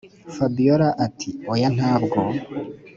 fabiora ati”hoya ntabwo